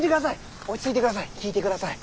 落ち着いてください。